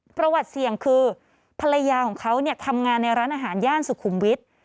ประวัติเสี่ยงคือภรรยาของเขาเนี่ยทำงานในร้านอาหารย่านสุขุมวิทย์